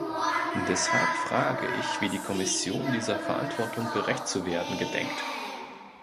Deshalb frage ich, wie die Kommission dieser Verantwortung gerecht zu werden gedenkt.